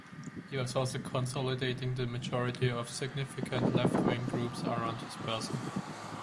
He was also consolidating the majority of significant left-wing groups around his person.